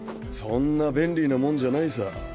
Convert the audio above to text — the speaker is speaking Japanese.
そんな便利なもんじゃないさ。